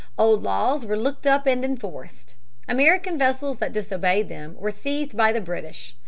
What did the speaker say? Old laws were looked up and enforced. American vessels that disobeyed them were seized by the British.